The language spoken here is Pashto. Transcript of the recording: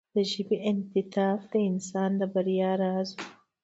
د ژبې انعطاف د انسان د بریا راز و.